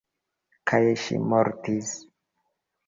Kaj ŝi mortis.